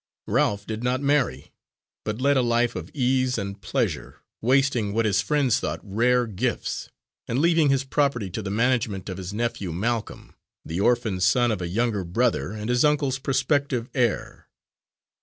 Ralph did not marry, but led a life of ease and pleasure, wasting what his friends thought rare gifts, and leaving his property to the management of his nephew Malcolm, the orphan son of a younger brother and his uncle's prospective heir.